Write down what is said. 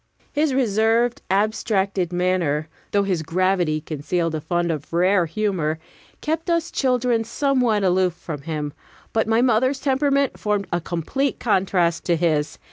His reserved, abstracted manner, though his gravity concealed a fund of rare humor, kept us children somewhat aloof from him; but my mother's temperament formed a complete contrast to his.